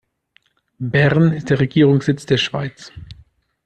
Bern ist der Regierungssitz der Schweiz.